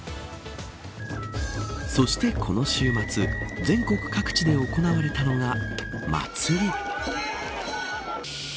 そして、この週末全国各地で行われたのが祭り。